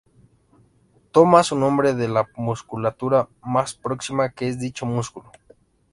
Toma su nombre de la musculatura más próxima, que es dicho músculo.